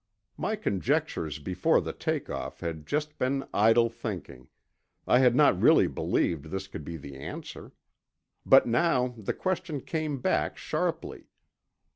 My conjectures before the take off had just been idle thinking; I had not really believed this could be the answer. But now the question came back sharply.